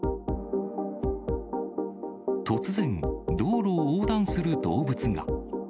突然、道路を横断する動物が。